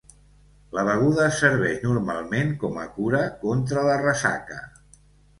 La beguda es serveix normalment com a cura contra la ressaca.